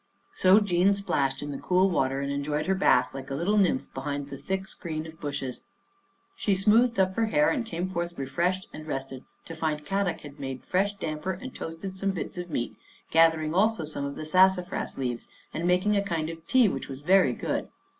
So Jean splashed in the cool water and en joyed her bath like a little nymph behind the thick screen of bushes. She smoothed up her hair and came forth refreshed and rested to find Kadok had made fresh damper and toasted some bits of meat, gathering also some of the sassa fras leaves, making a kind of tea which was very good.